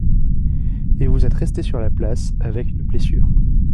Et vous êtes resté sur la place avec une blessure !